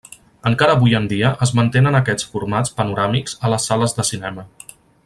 Encara avui en dia es mantenen aquests formats panoràmics a les sales de cinema.